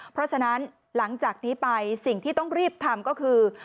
เพราะฉะนั้นหลังจากนี้ไปสิ่งที่ต้องรีบทำก็คือ